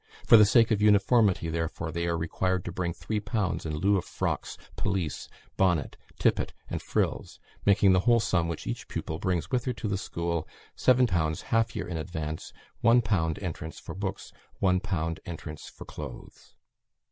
For the sake of uniformity, therefore, they are required to bring 3_l_. in lieu of frocks, pelisse, bonnet, tippet, and frills; making the whole sum which each pupil brings with her to the school 7_l_. half year in advance. 1_l_. entrance for books. 1_l_. entrance for clothes.